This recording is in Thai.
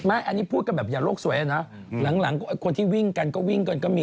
อันนี้พูดกันแบบอย่าโลกสวยนะหลังคนที่วิ่งกันก็วิ่งกันก็มี